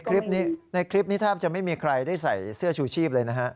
เพราะเห็นในคลิปนี้ถ้าจะไม่มีใครได้ใส่เสื้อชูชีพเลยนะฮะ